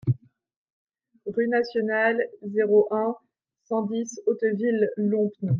Rue Nationale, zéro un, cent dix Hauteville-Lompnes